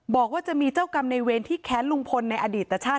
บอกว่าจะมีเจ้ากรรมในเวรที่แค้นลุงพลในอดีตชาติ